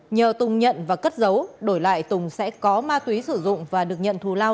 nhờ tùng nhận và cất giấu đổi lại tùng sẽ có ma túy sử dụng và được nhận thù lao